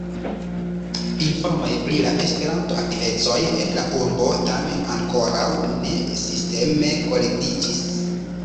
Informoj pri la Esperanto-aktivecoj en la urbo tamen ankoraŭ ne sisteme kolektiĝis.